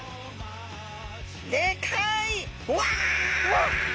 でかい！わ！